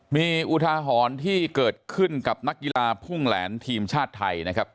มีอุทาหรณ์ที่เกิดขึ้นกับนักกีฬาพุ่งแหลนทีมชาติไทยนะครับ